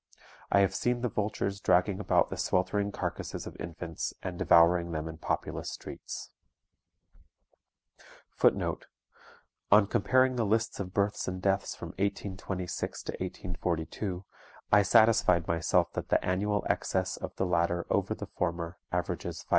I have seen the vultures dragging about the sweltering carcasses of infants, and devouring them in populous streets. On comparing the lists of births and deaths from 1826 to 1842, I satisfied myself that the annual excess of the latter over the former averages 550.